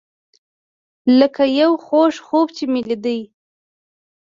لکه یو خوږ خوب چې مې لیدی.